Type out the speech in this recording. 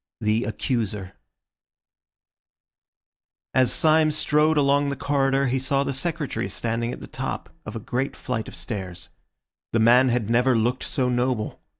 THE ACCUSER As Syme strode along the corridor he saw the Secretary standing at the top of a great flight of stairs. The man had never looked so noble.